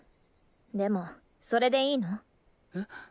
でもそれでいいの？え？